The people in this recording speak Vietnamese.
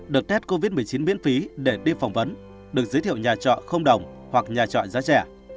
được test covid một mươi chín miễn phí để đi phỏng vấn được giới thiệu nhà trọ không đồng hoặc nhà trọ giá trẻ